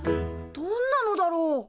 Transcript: どんなのだろう？